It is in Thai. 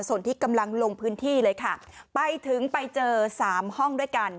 ส่วนที่กำลังลงพื้นที่เลยค่ะไปถึงไปเจอสามห้องด้วยกัน